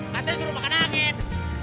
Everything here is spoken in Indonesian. katanya suruh makan angin